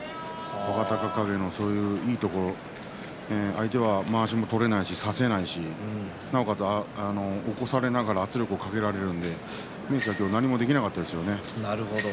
若隆景のそういういいところ相手はまわしも取れないし差せないしなおかつ起こされながら圧力をかけられるので何もできませんでしたね。